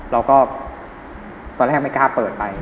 เราก็ตอนแรกไม่กล้าเปิดไป